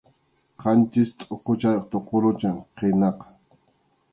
Qanchis tʼuquchayuq tuqurucham qinaqa.